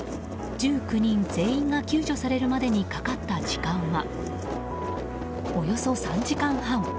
１９人全員が救助されるまでにかかった時間はおよそ３時間半。